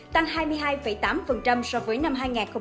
tăng hai mươi hai tám so với năm hai nghìn một mươi bảy